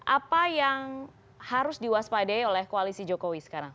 apa yang harus diwaspadai oleh koalisi jokowi sekarang